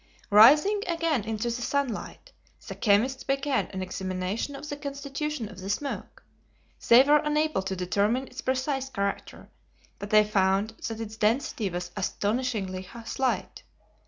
Rising again into the sunlight, the chemists began an examination of the constitution of the smoke. They were unable to determine its precise character, but they found that its density was astonishingly slight.